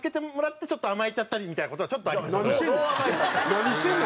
何してんの？